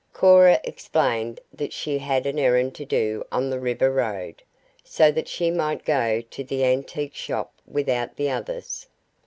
Cora explained that she had an errand to do on the river road, so that she might go to the antique shop without the others.